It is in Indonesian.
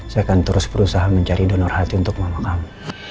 saya akan terus berusaha mencari donor hati untuk mama kamu